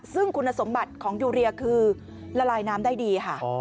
ซึ่งคุณสมบัติของยูเรียคือละลายน้ำได้ดีค่ะ